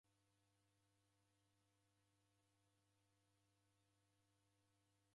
Ndew'iw'adie magome ghelipia w'urighiti.